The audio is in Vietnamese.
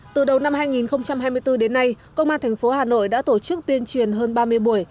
từ đầu năm hai nghìn hai mươi bốn đến nay công an thành phố hà nội đã tổ chức tuyên truyền hơn ba mươi buổi